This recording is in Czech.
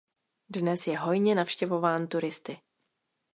Dnes je hojně navštěvován turisty.